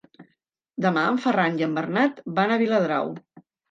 Demà en Ferran i en Bernat van a Viladrau.